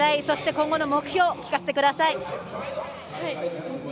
今後の目標を聞かせてください。